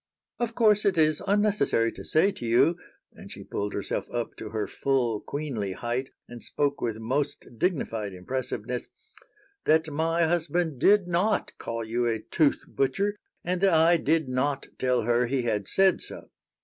"Of course, it is unnecessary to say to you," and she pulled herself up to her full queenly height and spoke with most dignified impressiveness, "that my husband did not call you a 'tooth butcher' and that I did not tell her he had said so.